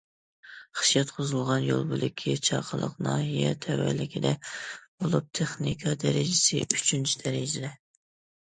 خىش ياتقۇزۇلغان يول بۆلىكى چاقىلىق ناھىيە تەۋەلىكىدە بولۇپ، تېخنىكا دەرىجىسى ئۈچىنچى دەرىجە.